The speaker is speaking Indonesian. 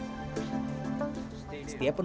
di kawasan kawasan dara peranasi